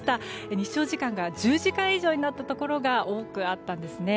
日照時間が１０時間以上になったところが多くあったんですね。